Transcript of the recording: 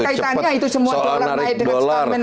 enggak ada kaitannya itu semua dollar